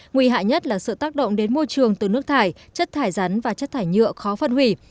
nguy hại nhất là sự tác động đến môi trường từ nước thải chất thải rắn và chất thải nhựa khó phân hủy